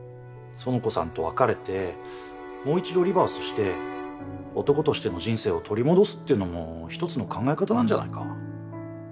苑子さんと別れてもう一度リバースして男としての人生を取り戻すっていうのも一つの考え方なんじゃないか？